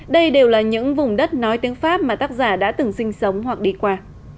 đây đều là những vùng đất nói tiếng pháp mà tác giả đã từng sinh sống hoặc đi qua